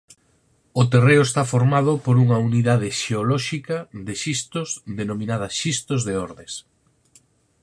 O terreo está formado por unha unidade xeolóxica de xistos denominada xistos de Ordes.